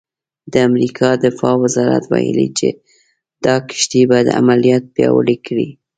د امریکا دفاع وزارت ویلي چې دا کښتۍ به عملیات پیاوړي کړي.